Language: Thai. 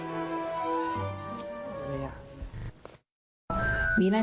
มีแต่เสียงตุ๊กแก่กลางคืนไม่กล้าเข้าห้องน้ำด้วยซ้ำ